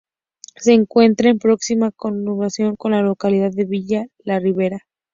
Se encuentra en próxima conurbación con la localidad de Villa La Ribera.